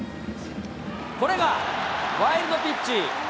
これがワイルドピッチ。